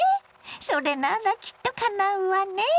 それならきっとかなうわね。